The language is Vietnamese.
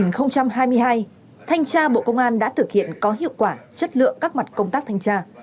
năm hai nghìn hai mươi hai thanh tra bộ công an đã thực hiện có hiệu quả chất lượng các mặt công tác thanh tra